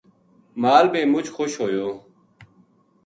مال بے مُچ خوش ہویو